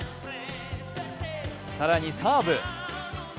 更に、サーブ。